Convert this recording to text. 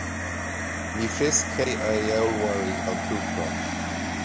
Ní fios cé a fheallmharaigh an t-uachtarán